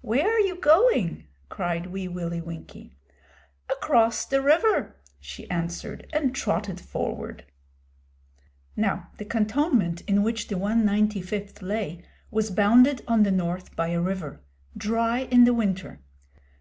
'Where are you going?' cried Wee Willie Winkie. 'Across the river,' she answered, and trotted forward. Now the cantonment in which the 195th lay was bounded on the north by a river dry in the winter.